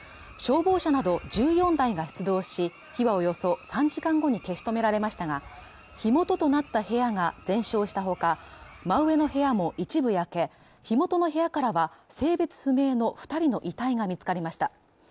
消防車など１４台が出動し、火はおよそ３時間後に消し止められましたが火元となった部屋が全焼した他、真上の部屋も一部焼け、火元の部屋からは性別不明の２人の遺体が見つかりました。